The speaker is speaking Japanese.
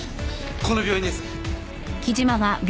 この病院です。